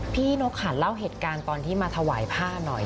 นกขันเล่าเหตุการณ์ตอนที่มาถวายผ้าหน่อย